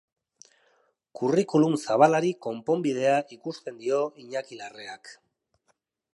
Curriculum zabalari konponbidea ikusten dio Iñaki Larreak.